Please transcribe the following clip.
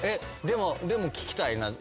でも聞きたいな。